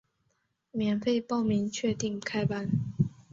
免费报名，确定开班